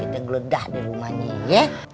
kita geledah di rumahnya ya